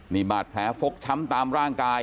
นี่บาดแผลฟกช้ำตามร่างกาย